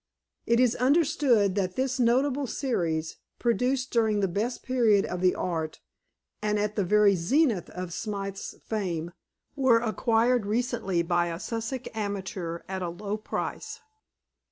It is understood that this notable series, produced during the best period of the art, and at the very zenith of Smyth's fame, were acquired recently by a Sussex amateur at a low price.